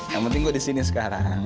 yang penting gue disini sekarang